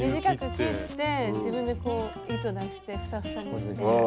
短く切って自分でこう糸出してふさふさにして。